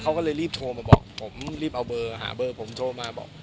เขาก็เลยรีบโทรมาบอกผมรีบเอาเบอร์หาเบอร์ผมโทรมาบอก